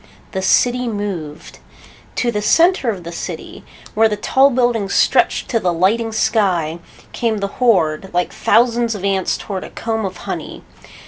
The city moved. To the center of the city, where the tall buildings stretched to the lighting sky, came the horde, like thousands of ants toward a comb of honey.